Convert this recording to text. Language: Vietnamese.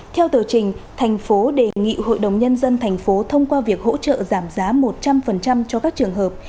theo tờ trình thành phố đề nghị hội đồng nhân dân thành phố thông qua việc hỗ trợ giảm giá một trăm linh cho các trường hợp